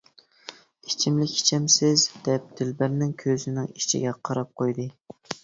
«ئىچىملىك ئىچەمسىز» دەپ دىلبەرنىڭ كۆزىنىڭ ئىچىگە قاراپ قويدى.